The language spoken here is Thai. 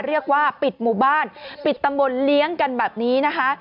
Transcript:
เรียกว่าปิดหมู่บ้านปิดตำบลเลี้ยงกันแบบนี้นะคะ